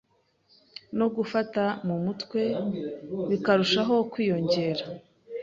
no gufata mu mutwe bikarushaho kwiyongera.